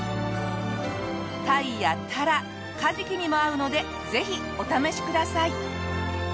タイやタラカジキにも合うのでぜひお試しください。